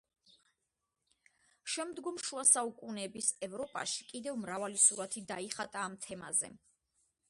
შემდგომ შუა საუკუნების ევროპაში კიდევ მრავალი სურათი დაიხატა ამ თემაზე.